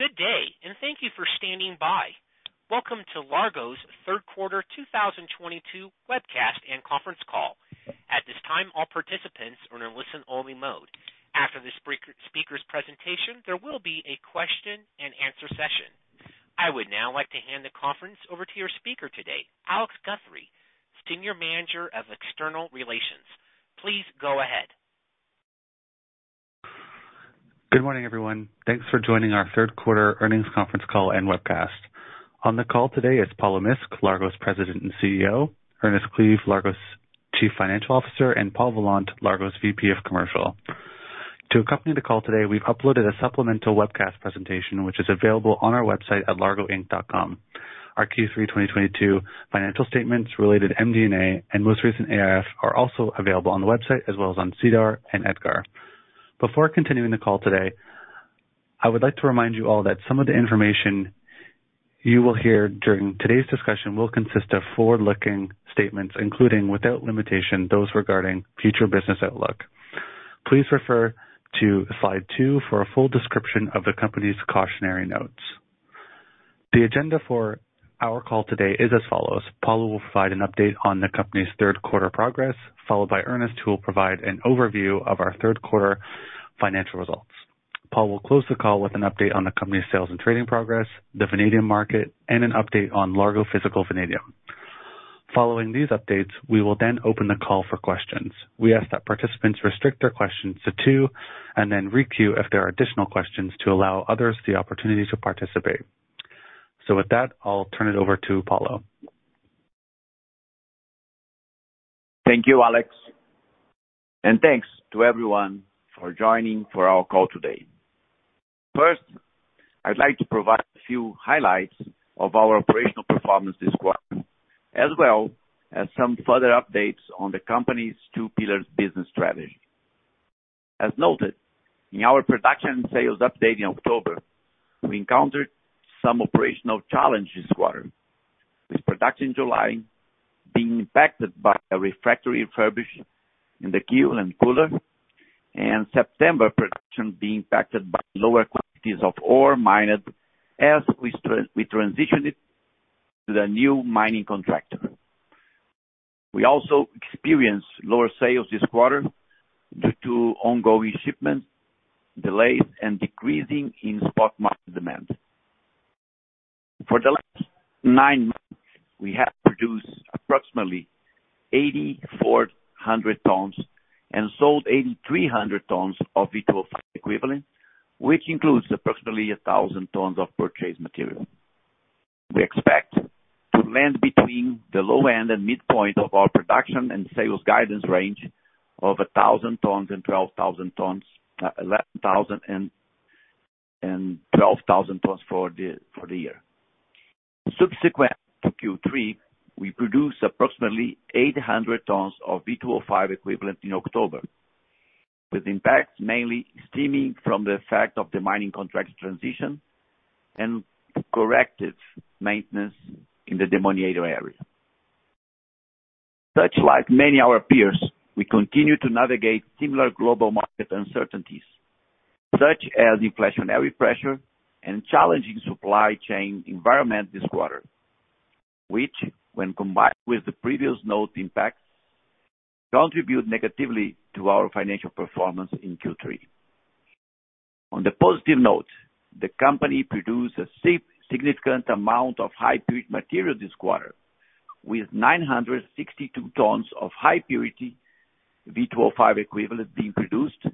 Good day, and thank you for standing by. Welcome to Largo's Third Quarter 2022 Webcast And Conference Call. At this time, all participants are in a listen only mode. After the speakers presentation, there will be a question and answer session. I would now like to hand the conference over to your speaker today, Alex Guthrie, Senior Manager of External Relations. Please go ahead. Good morning, everyone. Thanks for joining our third quarter earnings conference call and webcast. On the call today is Paulo Misk, Largo's President and CEO, Ernest Cleave, Largo's Chief Financial Officer, and Paul Vollant, Largo's VP of Commercial. To accompany the call today, we've uploaded a supplemental webcast presentation, which is available on our website at largoinc.com. Our Q3 2022 financial statements related MD&A and most recent AIF are also available on the website as well as on SEDAR and EDGAR. Before continuing the call today, I would like to remind you all that some of the information you will hear during today's discussion will consist of forward-looking statements, including, without limitation, those regarding future business outlook. Please refer to slide two for a full description of the company's cautionary notes. The agenda for our call today is as follows. Paulo will provide an update on the company's third quarter progress, followed by Ernest, who will provide an overview of our third quarter financial results. Paul will close the call with an update on the company's sales and trading progress, the vanadium market, and an update on Largo Physical Vanadium. Following these updates, we will then open the call for questions. We ask that participants restrict their questions to two and then requeue if there are additional questions to allow others the opportunity to participate. With that, I'll turn it over to Paulo. Thank you, Alex, and thanks to everyone for joining for our call today. First, I'd like to provide a few highlights of our operational performance this quarter, as well as some further updates on the company's two pillars business strategy. As noted in our production sales update in October, we encountered some operational challenges this quarter, with production in July being impacted by a refractory refurbish in the kiln and cooler, and September production being impacted by lower quantities of ore mined as we transitioned to the new mining contractor. We also experienced lower sales this quarter due to ongoing shipment delays and decrease in spot market demand. For the last nine months, we have produced approximately 8,400 tons and sold 8,300 tons of V2O5 equivalent, which includes approximately 1,000 tons of purchased material. We expect to land between the low end and midpoint of our production and sales guidance range of 11,000 tons and 12,000 tons for the year. Subsequent to Q3, we produced approximately 800 tons of V2O5 equivalent in October, with impacts mainly stemming from the effect of the mining contract transition and corrective maintenance in the deammoniation area. Just like many of our peers, we continue to navigate similar global market uncertainties such as inflationary pressure and challenging supply chain environment this quarter, which when combined with the previously noted impacts, contribute negatively to our financial performance in Q3. On the positive note, the company produced a significant amount of high purity material this quarter with 962 tons of high purity V2O5 equivalent being produced,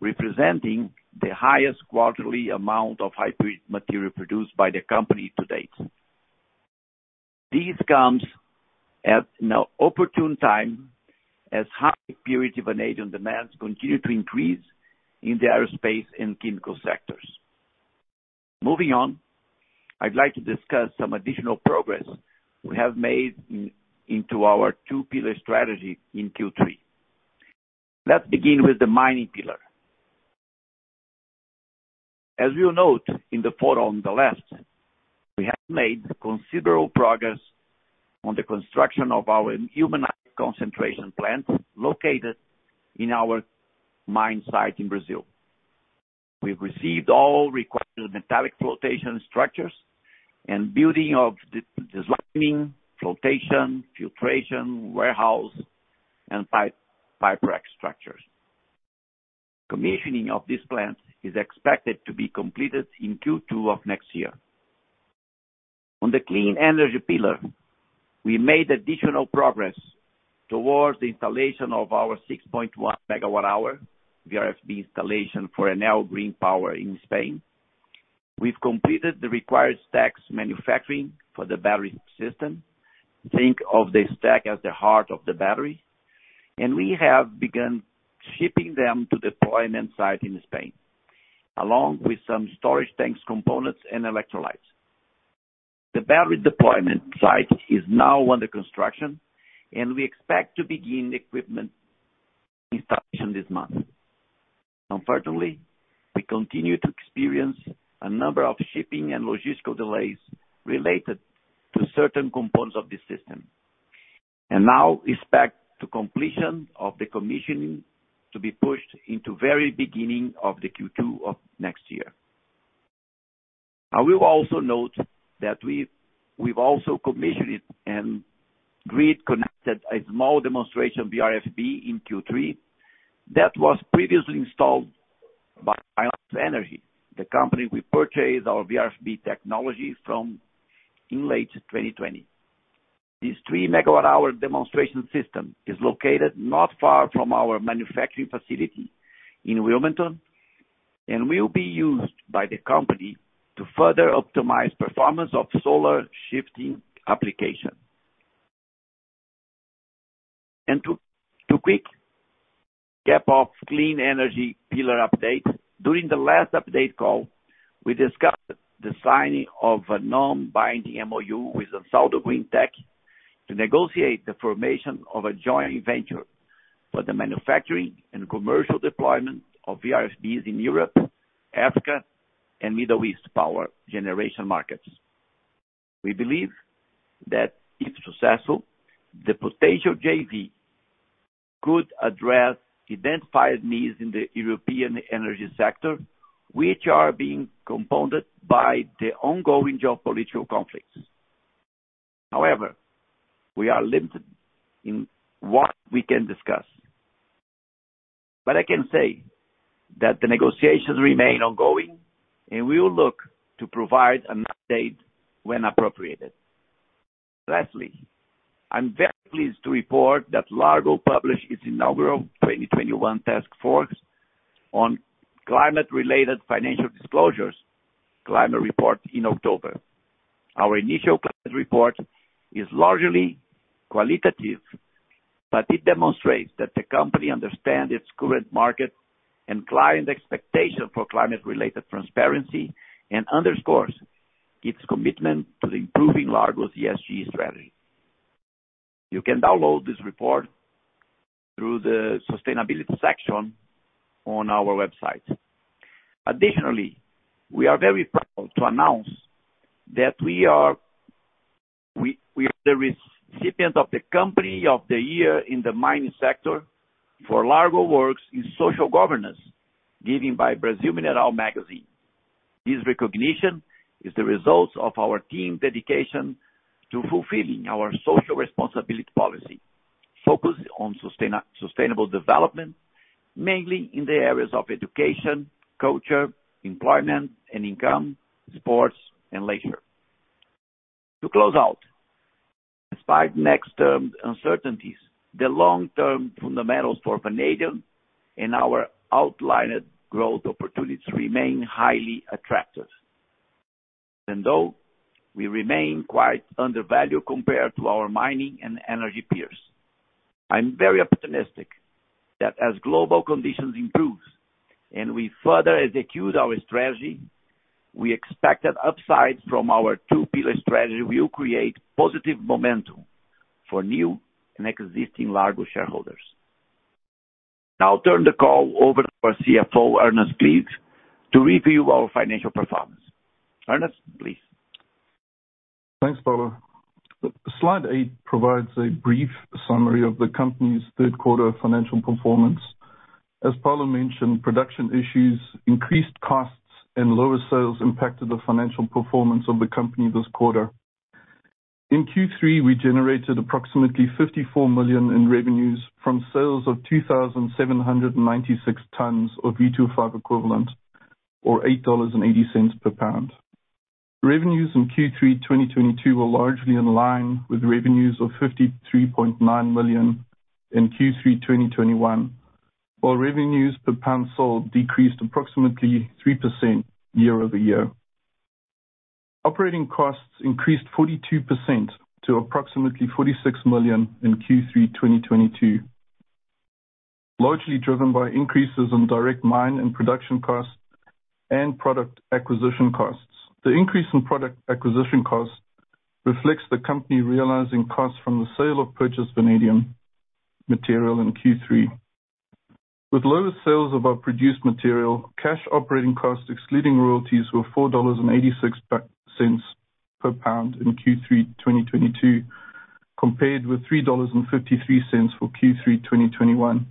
representing the highest quarterly amount of high purity material produced by the company to date. This comes at an opportune time as high purity vanadium demands continue to increase in the aerospace and chemical sectors. Moving on, I'd like to discuss some additional progress we have made into our two pillar strategy in Q3. Let's begin with the mining pillar. As you'll note in the photo on the left, we have made considerable progress on the construction of our ilmenite concentration plant located in our mine site in Brazil. We've received all required metallic flotation structures and building of the desliming, flotation, filtration, warehouse, and pipe rack structures. Commissioning of this plant is expected to be completed in Q2 of next year. On the clean energy pillar, we made additional progress towards the installation of our 6.1 MWh VRFB installation for Enel Green Power in Spain. We've completed the required stacks manufacturing for the battery system. Think of the stack as the heart of the battery. We have begun shipping them to deployment site in Spain, along with some storage tanks, components and electrolytes. The battery deployment site is now under construction, and we expect to begin equipment installation this month. Unfortunately, we continue to experience a number of shipping and logistical delays related to certain components of this system. We now expect the completion of the commissioning to be pushed into very beginning of the Q2 of next year. I will also note that we've also commissioned and grid connected a small demonstration VRFB in Q3 that was previously installed by VionX Energy, the company we purchased our VRFB technology from in late 2020. This 3 MWh demonstration system is located not far from our manufacturing facility in Wilmington, and will be used by the company to further optimize performance of solar shifting application. To quickly cap off clean energy pillar update, during the last update call, we discussed the signing of a non-binding MoU with Saudi Green Tech to negotiate the formation of a joint venture for the manufacturing and commercial deployment of VRFBs in Europe, Africa, and Middle East power generation markets. We believe that if successful, the potential JV could address identified needs in the European energy sector, which are being compounded by the ongoing geopolitical conflicts. However, we are limited in what we can discuss. I can say that the negotiations remain ongoing, and we will look to provide an update when appropriate. Lastly, I'm very pleased to report that Largo published its inaugural 2021 Task Force on Climate-Related Financial Disclosures climate report in October. Our initial climate report is largely qualitative, but it demonstrates that the company understand its current market and client expectation for climate-related transparency and underscores its commitment to improving Largo's ESG strategy. You can download this report through the sustainability section on our website. Additionally, we are very proud to announce that we are the recipient of the company of the year in the mining sector for Largo's work in social governance given by Brasil Mineral magazine. This recognition is the result of our team's dedication to fulfilling our social responsibility policy, focused on sustainable development, mainly in the areas of education, culture, employment and income, sports and leisure. To close out, despite next term uncertainties, the long-term fundamentals for vanadium and our outlined growth opportunities remain highly attractive. Though we remain quite undervalued compared to our mining and energy peers, I'm very optimistic that as global conditions improves and we further execute our strategy, we expect that upsides from our two pillar strategy will create positive momentum for new and existing Largo shareholders. Now I'll turn the call over to our CFO, Ernest Cleave, to review our financial performance. Ernest, please. Thanks, Paulo. Slide eight provides a brief summary of the company's third quarter financial performance. As Paulo mentioned, production issues, increased costs, and lower sales impacted the financial performance of the company this quarter. In Q3, we generated approximately $54 million in revenues from sales of 2,796 tons of V2O5 equivalent, or $8.80 per pound. Revenues in Q3 2022 were largely in line with revenues of $53.9 million in Q3 2021, while revenues per pound sold decreased approximately 3% year-over-year. Operating costs increased 42% to approximately $46 million in Q3 2022, largely driven by increases in direct mine and production costs and product acquisition costs. The increase in product acquisition costs reflects the company realizing costs from the sale of purchased vanadium material in Q3. With lower sales of our produced material, cash operating costs excluding royalties were $4.86 per pound in Q3 2022, compared with $3.53 for Q3 2021.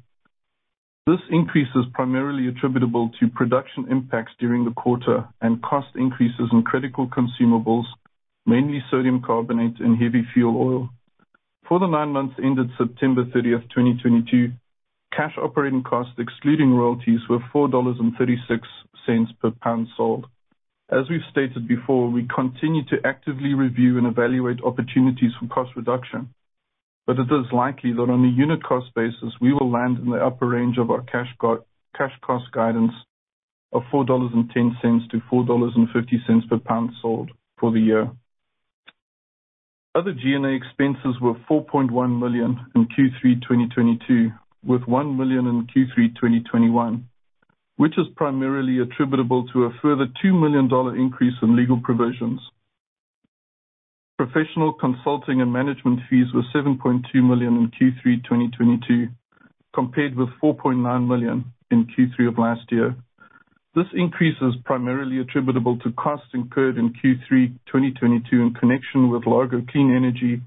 This increase is primarily attributable to production impacts during the quarter and cost increases in critical consumables, mainly sodium carbonate and heavy fuel oil. For the nine months ended September 30th 2022, cash operating costs excluding royalties were $4.36 per pound sold. As we've stated before, we continue to actively review and evaluate opportunities for cost reduction, but it is likely that on a unit cost basis, we will land in the upper range of our cash cost guidance of $4.10-$4.50 per pound sold for the year. Other G&A expenses were $4.1 million in Q3 2022, with $1 million in Q3 2021, which is primarily attributable to a further $2 million increase in legal provisions. Professional consulting and management fees were $7.2 million in Q3 2022, compared with $4.9 million in Q3 of last year. This increase is primarily attributable to costs incurred in Q3 2022 in connection with Largo Clean Energy,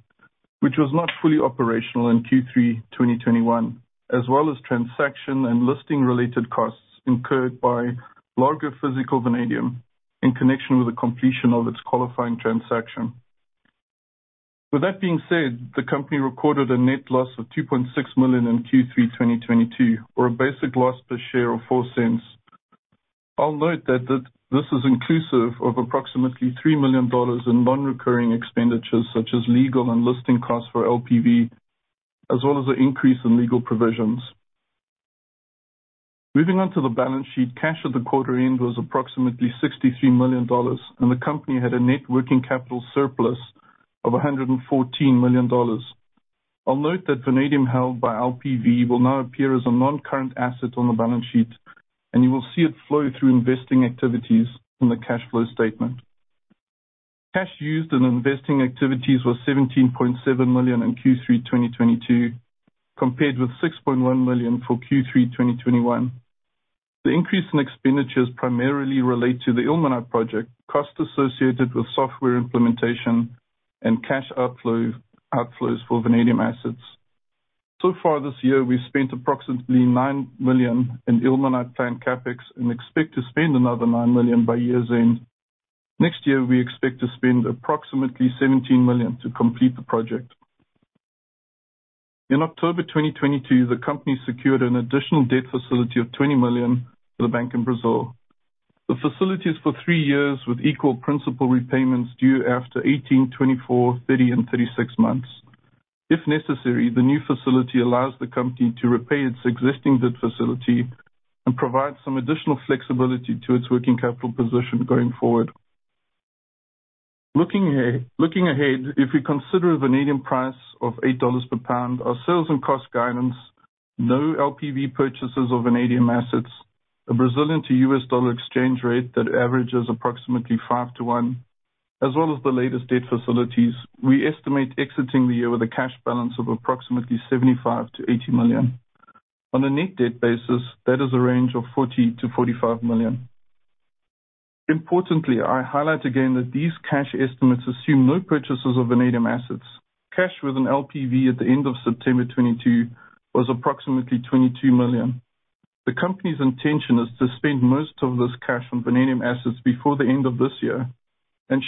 which was not fully operational in Q3 2021, as well as transaction and listing related costs incurred by Largo Physical Vanadium in connection with the completion of its qualifying transaction. With that being said, the company recorded a net loss of $2.6 million in Q3 2022, or a basic loss per share of $0.04. I'll note that this is inclusive of approximately $3 million in non-recurring expenditures, such as legal and listing costs for LPV, as well as an increase in legal provisions. Moving on to the balance sheet, cash at the quarter end was approximately $63 million, and the company had a net working capital surplus of $114 million. I'll note that vanadium held by LPV will now appear as a non-current asset on the balance sheet, and you will see it flow through investing activities on the cash flow statement. Cash used in investing activities was $17.7 million in Q3 2022, compared with $6.1 million for Q3 2021. The increase in expenditures primarily relate to the ilmenite project, costs associated with software implementation and cash outflows for vanadium assets. Far this year, we've spent approximately $9 million in ilmenite planned CapEx and expect to spend another $9 million by year's end. Next year, we expect to spend approximately $17 million to complete the project. In October 2022, the company secured an additional debt facility of $20 million from the bank in Brazil. The facility is for three years with equal principal repayments due after 18, 24, 30, and 36 months. If necessary, the new facility allows the company to repay its existing debt facility and provide some additional flexibility to its working capital position going forward. Looking ahead, if we consider a vanadium price of $8 per pound, our sales and cost guidance, no LPV purchases of vanadium assets, a Brazilian to U.S. dollar exchange rate that averages approximately 5 to 1, as well as the latest debt facilities, we estimate exiting the year with a cash balance of approximately $75 million-$80 million. On a net debt basis, that is a range of $40 million-$45 million. Importantly, I highlight again that these cash estimates assume no purchases of vanadium assets. Cash with an LPV at the end of September 2022 was approximately $22 million. The company's intention is to spend most of this cash on vanadium assets before the end of this year.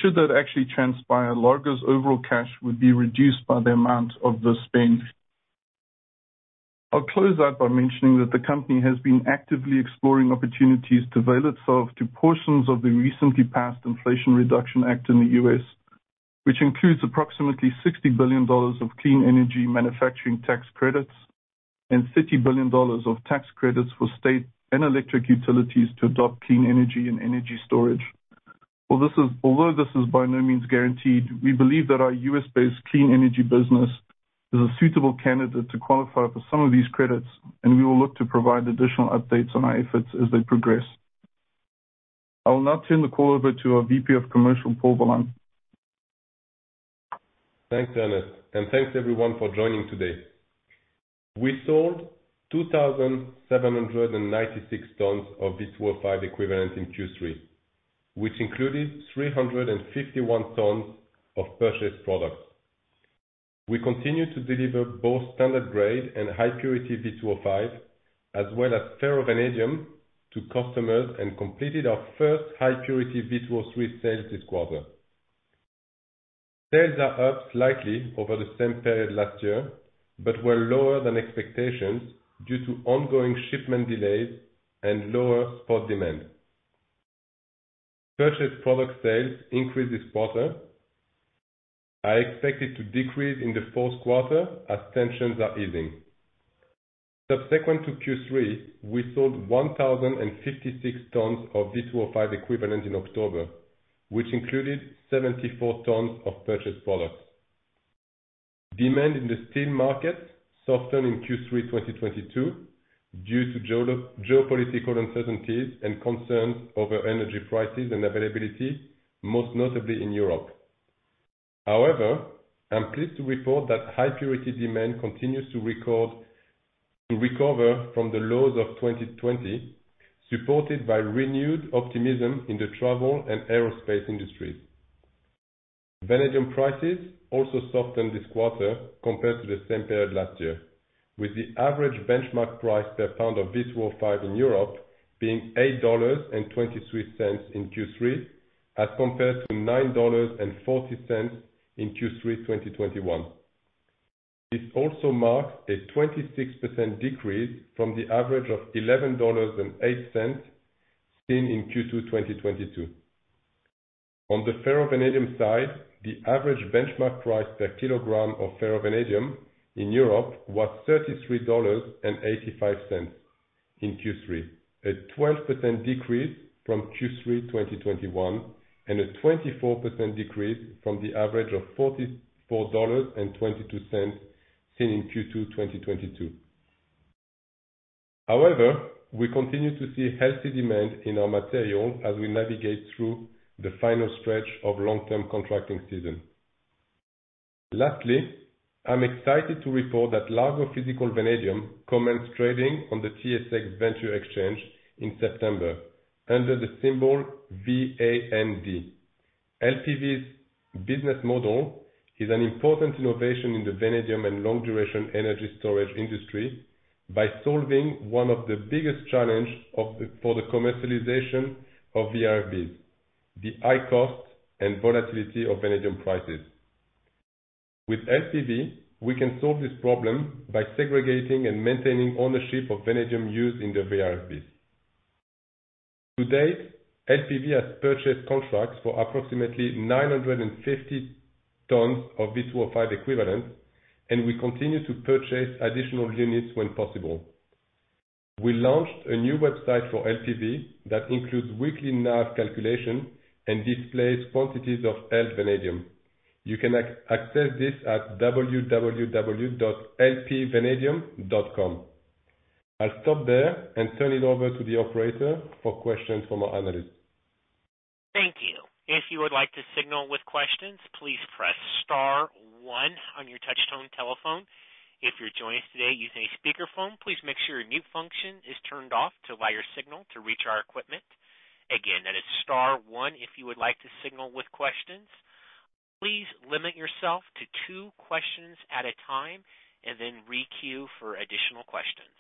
Should that actually transpire, Largo's overall cash would be reduced by the amount of the spend. I'll close out by mentioning that the company has been actively exploring opportunities to avail itself to portions of the recently passed Inflation Reduction Act in the U.S., which includes approximately $60 billion of clean energy manufacturing tax credits and $30 billion of tax credits for state and electric utilities to adopt clean energy and energy storage. Well, although this is by no means guaranteed, we believe that our U.S.-based clean energy business is a suitable candidate to qualify for some of these credits, and we will look to provide additional updates on our efforts as they progress. I will now turn the call over to our VP of Commercial, Paul Vollant. Thanks, Ernest, and thanks everyone for joining today. We sold 2,796 tons of V2O5 equivalent in Q3, which included 351 tons of purchased products. We continue to deliver both standard grade and high purity V2O5, as well as ferrovanadium to customers and completed our first high purity V2O3 sales this quarter. Sales are up slightly over the same period last year, but were lower than expectations due to ongoing shipment delays and lower spot demand. Purchased product sales increased this quarter, are expected to decrease in the fourth quarter as tensions are easing. Subsequent to Q3, we sold 1,056 tons of V2O5 equivalent in October, which included 74 tons of purchased products. Demand in the steel market softened in Q3 2022 due to geopolitical uncertainties and concerns over energy prices and availability, most notably in Europe. However, I'm pleased to report that high purity demand continues to recover from the lows of 2020, supported by renewed optimism in the travel and aerospace industries. Vanadium prices also softened this quarter compared to the same period last year, with the average benchmark price per pound of V2O5 in Europe being $8.23 in Q3, as compared to $9.40 in Q3 2021. This also marks a 26% decrease from the average of $11.08 seen in Q2 2022. On the ferrovanadium side, the average benchmark price per kilogram of ferrovanadium in Europe was $33.85 in Q3, a 12% decrease from Q3 2021, and a 24% decrease from the average of $44.22 seen in Q2 2022. However, we continue to see healthy demand in our materials as we navigate through the final stretch of long-term contracting season. Lastly, I'm excited to report that Largo Physical Vanadium commence trading on the TSX Venture Exchange in September under the symbol VAND. LPV's business model is an important innovation in the vanadium and long duration energy storage industry by solving one of the biggest challenge for the commercialization of VRBs, the high cost and volatility of vanadium prices. With LPV, we can solve this problem by segregating and maintaining ownership of vanadium used in the VRBs. To date, LPV has purchased contracts for approximately 950 tons of V2O5 equivalent, and we continue to purchase additional units when possible. We launched a new website for LPV that includes weekly NAV calculation and displays quantities of held vanadium. You can access this at www.lpvanadium.com. I'll stop there and turn it over to the operator for questions from our analysts. Thank you. If you would like to signal with questions, please press star one on your touchtone telephone. If you're joining us today using a speakerphone, please make sure your mute function is turned off to allow your signal to reach our equipment. Again, that is star one if you would like to signal with questions. Please limit yourself to two questions at a time and then re-queue for additional questions.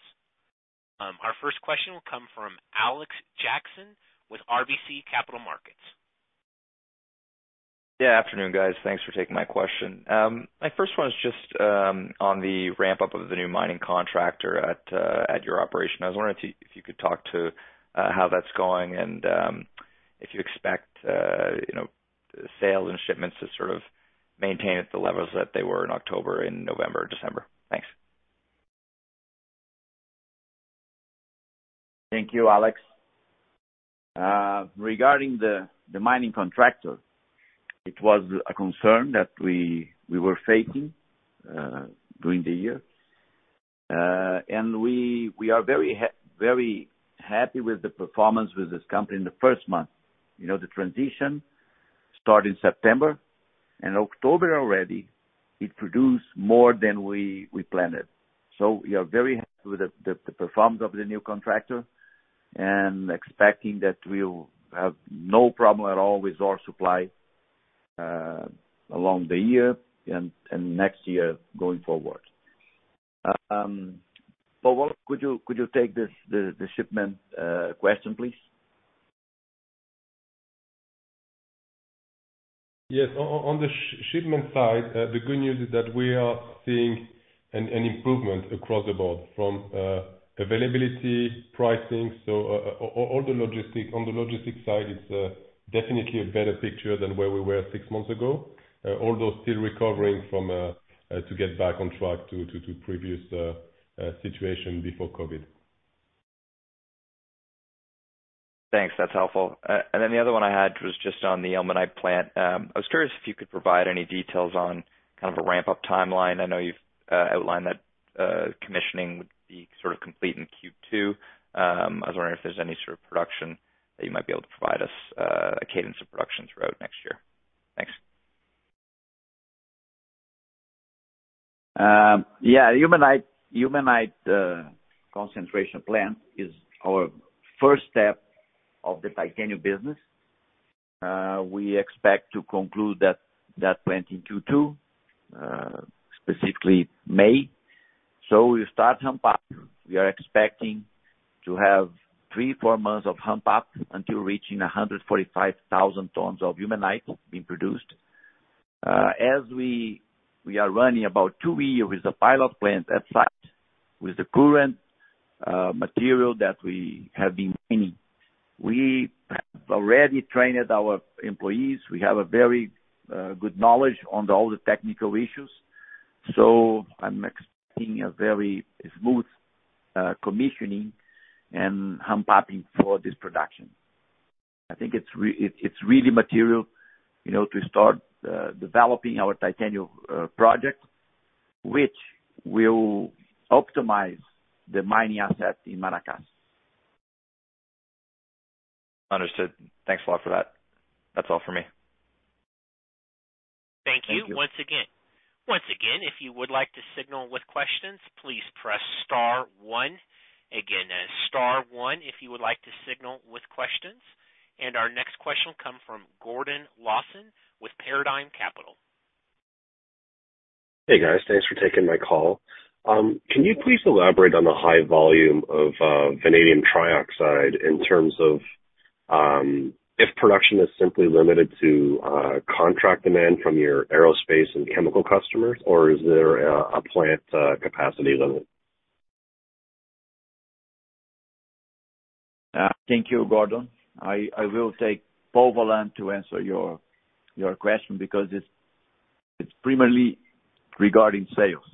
Our first question will come from Alex Jackson with RBC Capital Markets. Yeah. Afternoon, guys. Thanks for taking my question. My first one is just on the ramp-up of the new mining contractor at your operation. I was wondering if you could talk to how that's going and if you expect you know, sales and shipments to sort of maintain at the levels that they were in October and November, December. Thanks. Thank you, Alex. Regarding the mining contractor, it was a concern that we were facing during the year. We are very happy with the performance with this company in the first month. You know, the transition started in September. In October already, it produced more than we planned. We are very happy with the performance of the new contractor and expecting that we'll have no problem at all with ore supply along the year and next year going forward. Paul, could you take this the shipment question, please? Yes. On the shipment side, the good news is that we are seeing an improvement across the board in availability, pricing. All the logistics side, it's definitely a better picture than where we were six months ago. Although still recovering to get back on track to previous situation before COVID. Thanks. That's helpful. The other one I had was just on the ilmenite plant. I was curious if you could provide any details on kind of a ramp-up timeline. I know you've outlined that commissioning would be sort of complete in Q2. I was wondering if there's any sort of production that you might be able to provide us a cadence of production throughout next year. Thanks. Yeah. Ilmenite concentration plant is our first step of the titanium business. We expect to conclude that plant in Q2, specifically May. We start ramp up. We are expecting to have 3 months-4 months of ramp up until reaching 145,000 tons of ilmenite being produced. As we are running about two years with the pilot plant at site with the current material that we have been mining. We have already trained our employees. We have a very good knowledge on all the technical issues. I'm expecting a very smooth commissioning and ramp up for this production. I think it's really material, you know, to start developing our titanium project, which will optimize the mining asset in Maracás. Understood. Thanks a lot for that. That's all for me. Thank you. Thank you once again. Once again, if you would like to signal with questions, please press star one. Again, that is star one if you would like to signal with questions. Our next question will come from Gordon Lawson with Paradigm Capital. Hey, guys. Thanks for taking my call. Can you please elaborate on the high volume of vanadium trioxide in terms of if production is simply limited to contract demand from your aerospace and chemical customers, or is there a plant capacity limit? Thank you, Gordon. I will take Paul Vollant to answer your question because it's primarily regarding sales.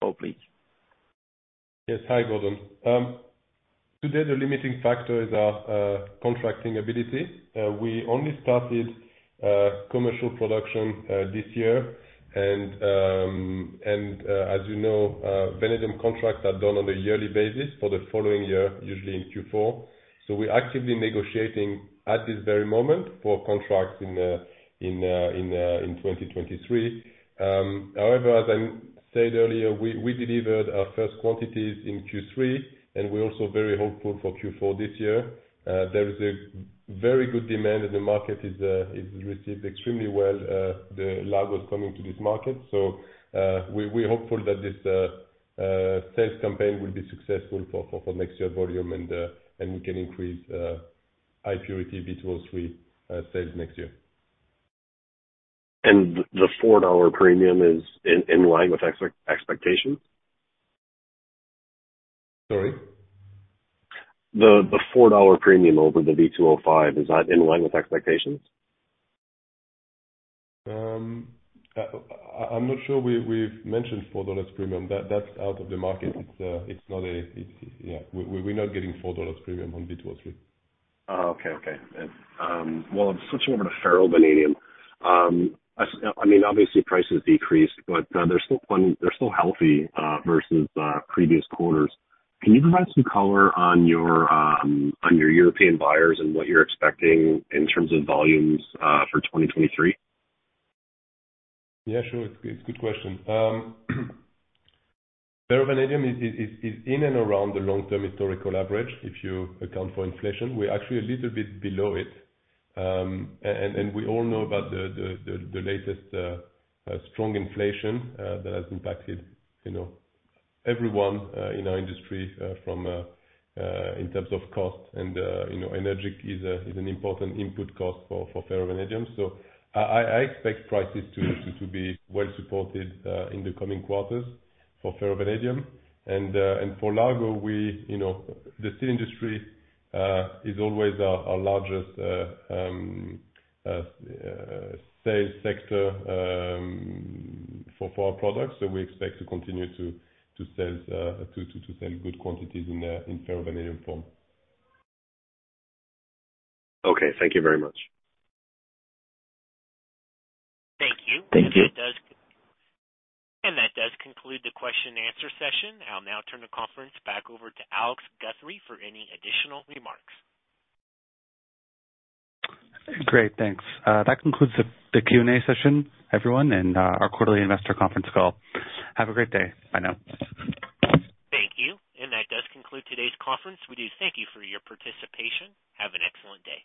Paul, please. Yes. Hi, Gordon. Today, the limiting factor is our contracting ability. We only started commercial production this year. As you know, vanadium contracts are done on a yearly basis for the following year, usually in Q4. We're actively negotiating at this very moment for contracts in 2023. However, as I said earlier, we delivered our first quantities in Q3, and we're also very hopeful for Q4 this year. There is a very good demand, and the market is received extremely well, the Largo coming to this market. We're hopeful that this sales campaign will be successful for next year volume and we can increase high purity V2O3 sales next year. The $4 premium is in line with expectations? Sorry? The $4 premium over the V2O5, is that in line with expectations? I'm not sure we've mentioned $4 premium. That's out of the market. It's not. Yeah, we're not getting $4 premium on V2O3. Well, I'm switching over to ferrovanadium. I mean, obviously price has decreased, but they're still healthy versus previous quarters. Can you provide some color on your European buyers and what you're expecting in terms of volumes for 2023? Yeah, sure. It's a good question. Ferrovanadium is in and around the long-term historical average if you account for inflation. We're actually a little bit below it. We all know about the latest strong inflation that has impacted, you know, everyone in our industry from in terms of cost and, you know, energy is an important input cost for ferrovanadium. I expect prices to be well supported in the coming quarters for ferrovanadium. For Largo, we, you know, the steel industry is always our largest sales sector for our products. We expect to continue to sell good quantities in ferrovanadium form. Okay, thank you very much. Thank you. Thank you. That does conclude the question and answer session. I'll now turn the conference back over to Alex Guthrie for any additional remarks. Great, thanks. That concludes the Q&A session, everyone, and our quarterly investor conference call. Have a great day. Bye now. Thank you. That does conclude today's conference. We do thank you for your participation. Have an excellent day.